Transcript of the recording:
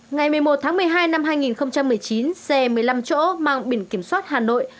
ngày một mươi một tháng một mươi hai năm hai nghìn một mươi chín xe một mươi năm chỗ mang biển kiểm soát hà nội